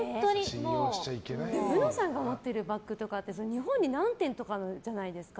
うのさんが持ってるバッグとかって日本に何点とかじゃないですか。